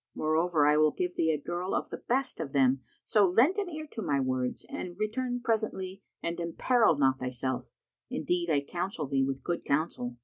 Moreover, I will give thee a girl of the best of them, so lend an ear to my words and return presently and imperil not thyself; indeed I counsel thee with good counsel."